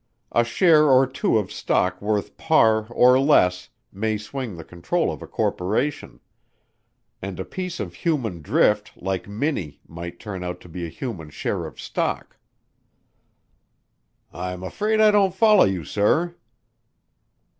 A share or two of stock worth par or less may swing the control of a corporation ... and a piece of human drift like Minnie might turn out to be a human share of stock." "I'm afraid I don't follow you, sir."